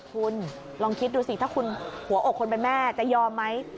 คุณลองคิดดูสิถ้าคุณหัวอกคนเป็นแม่จะยอมไหม